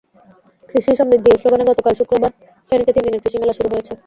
কৃষিই সমৃদ্ধি—এ স্লোগানে গতকাল শুক্রবার ফেনীতে তিন দিনের কৃষি মেলা শুরু হয়েছে।